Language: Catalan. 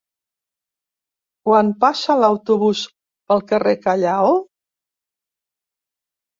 Quan passa l'autobús pel carrer Callao?